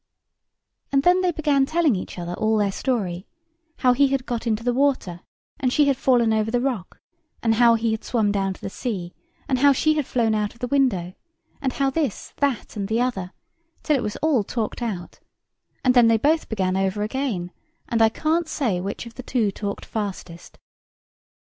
And then they began telling each other all their story—how he had got into the water, and she had fallen over the rock; and how he had swum down to the sea, and how she had flown out of the window; and how this, that, and the other, till it was all talked out: and then they both began over again, and I can't say which of the two talked fastest.